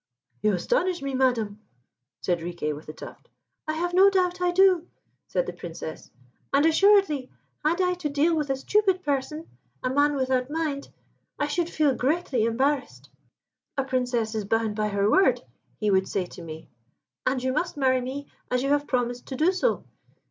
"You astonish me, Madam," said Riquet with the Tuft. "I have no doubt I do," said the Princess; "and assuredly, had I to deal with a stupid person a man without mind, I should feel greatly embarrassed. 'A Princess is bound by her word,' he would say to me, 'and you must marry me, as you have promised to do so.'